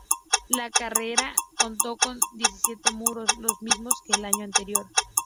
La carrera contó con diecisiete muros, los mismos que el año anterior.